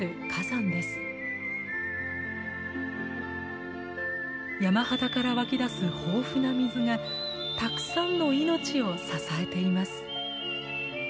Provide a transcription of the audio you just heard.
山肌から湧き出す豊富な水がたくさんの命を支えています。